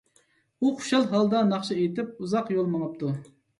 ئۇ خۇشال ھالدا ناخشا ئېيتىپ، ئۇزاق يول مېڭىپتۇ.